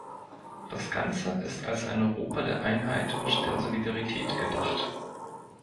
Das Ganze ist als ein Europa der Einheit und der Solidarität gedacht.